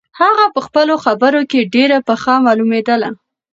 هغه په خپلو خبرو کې ډېره پخه معلومېدله.